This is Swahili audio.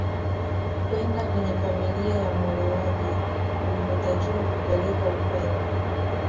kwenda kwenye familia ya muolewaji ulivyotakiwa kupeleka ukweni